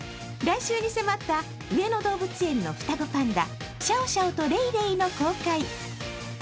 来週に迫った上野動物園の双子パンダ、シャオシャオとレイレイの公開。